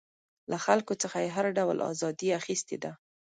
له خلکو څخه یې هر ډول ازادي اخیستې ده.